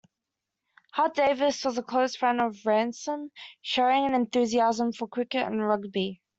Hart-Davis was a close friend of Ransome, sharing an enthusiasm for cricket and rugby.